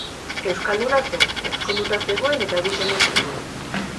Euskalduna zen, ezkonduta zegoen eta bi seme zituen.